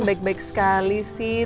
baik baik sekali sih